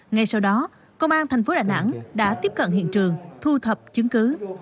ngay sau đó công an thành phố đà nẵng đã tiếp cận hiện trường thu thập chứng cứ